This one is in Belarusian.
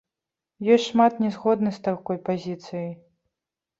Ёсць шмат не згодных з такой пазіцыяй.